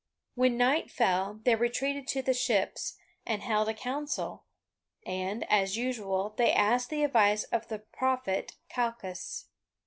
When night fell, they retreated to the ships and held a council, and, as usual, they asked the advice of the prophet Calchas.